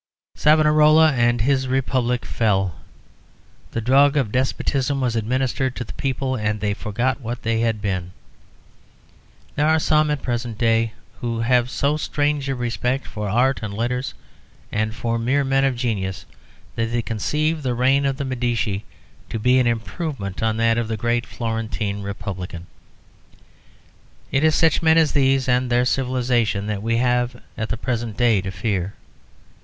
Savonarola and his republic fell. The drug of despotism was administered to the people, and they forgot what they had been. There are some at the present day who have so strange a respect for art and letters, and for mere men of genius, that they conceive the reign of the Medici to be an improvement on that of the great Florentine republican. It is such men as these and their civilisation that we have at the present day to fear.